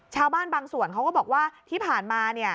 ชาวบ้านบางส่วนเขาก็บอกว่าที่ผ่านมา